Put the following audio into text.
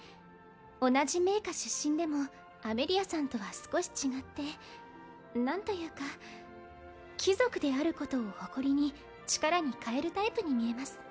同じ名家出身でもアメリアさんとは少し違って何というか貴族であることを誇りに力に変えるタイプに見えます